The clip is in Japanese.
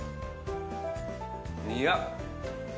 いや。